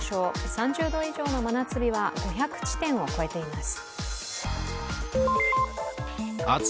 ３０度以上の真夏日は５００地点を超えています。